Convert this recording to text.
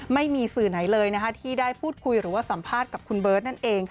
ไม่มีสื่อไหนเลยที่ได้พูดคุยหรือว่าสัมภาษณ์กับคุณเบิร์ตนั่นเอง